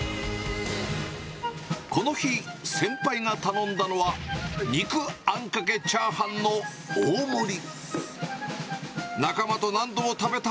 この日、先輩が頼んだのは肉あんかけチャーハンの大盛り。